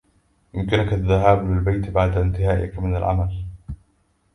يمكنك الذهاب للبيت بعد إنتهائك من هذا العمل.